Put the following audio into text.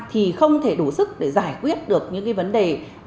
thì không thể đủ sức để giải quyết được những vấn đề